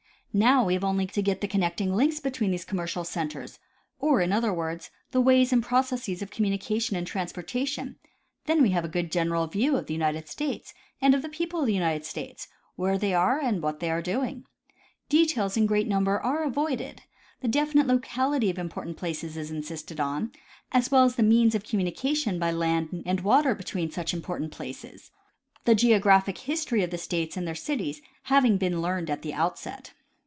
Now we have only to get the connecting links between these commercial centers or, in other words, the ways and processes of communication and transportation, then we have a good general view of the United 150 W. B. Powell — Geographic Instruction. States and of the people of the United States, where thej' are, and what they are doing. Details in great number are avoided ; the definite locality of important places is insisted on, as well as the means of communication by land and Avater between such important places, the geographic history of the states and their cities having been learned at the outset.